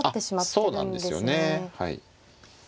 そうなんですよね。